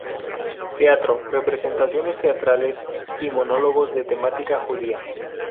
Teatro":" representaciones teatrales y monólogos de temática judía.